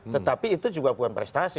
tetapi itu juga bukan prestasi